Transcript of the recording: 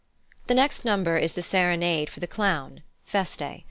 The next number is the serenade for the clown (Feste).